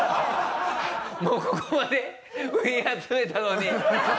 もうここまで部品集めたのに。